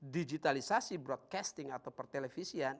digitalisasi broadcasting atau per televisian